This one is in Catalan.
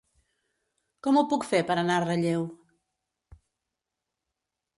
Com ho puc fer per anar a Relleu?